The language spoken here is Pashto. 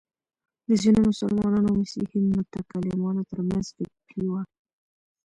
د ځینو مسلمانو او مسیحي متکلمانو تر منځ فکري وه.